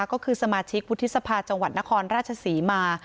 ก็คือสมาชิกวุฒิสภาจังหวัดนครราชศรีมา